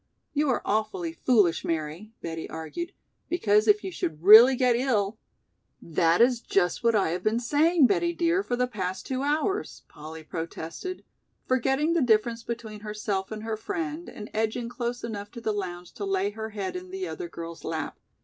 "You are awfully foolish, Mary," Betty argued, "because if you should really get ill " "That is just what I have been saying, Betty dear, for the past two hours," Polly protested, forgetting the difference between herself and her friend and edging close enough to the lounge to lay her head in, the other girl's lap.